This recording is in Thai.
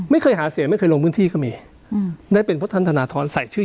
ไม่เคยหาเสียงไม่เคยลงพื้นที่ก็มีอืมได้เป็นเพราะท่านธนทรใส่ชื่อ